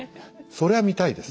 そりゃ見たいです。